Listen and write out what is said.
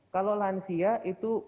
kalau lansia itu